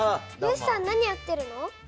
よしさん何やってるの？